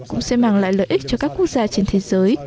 cũng sẽ mang lại lợi ích cho các quốc gia trên thế giới